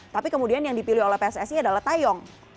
tapi kemudian yang dipilih oleh pssi adalah tayong